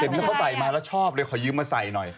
เขาใส่มาแล้วชอบเลยขอยืมมาใส่หน่อย